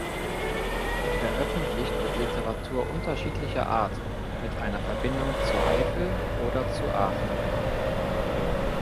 Veröffentlicht wird Literatur unterschiedlicher Art mit einer Verbindung zur Eifel oder zu Aachen.